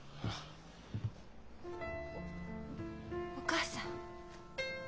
お母さん。